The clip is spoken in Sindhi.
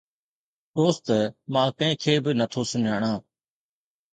دوست، مان ڪنهن کي به نٿو سڃاڻان